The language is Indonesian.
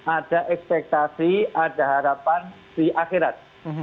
ada ekspektasi ada harapan di akhirat